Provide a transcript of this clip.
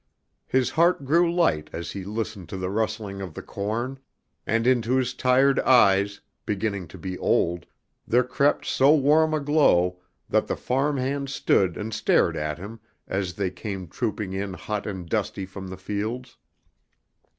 His heart grew light as he listened to the rustling of the corn and into his tired eyes, beginning to be old, there crept so warm a glow that the farm hands stood and stared at him as they came trooping in hot and dusty from the fields.